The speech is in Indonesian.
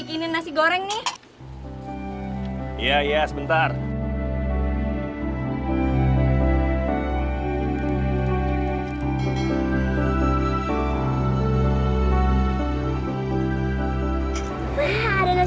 ibu masih punya lulu